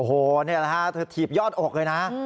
โอ้โหนี่แหละฮะเธอถีบยอดอกเลยนะ